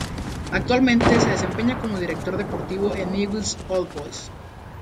Actualmente se desempeña como director deportivo en Newell's Old Boys.